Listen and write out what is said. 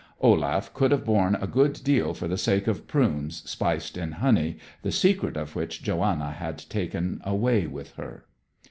Olaf could have borne a good deal for the sake of prunes spiced in honey, the secret of which Johanna had taken away with her.